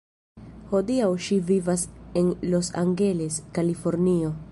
Hodiaŭ ŝi vivas en Los Angeles, Kalifornio.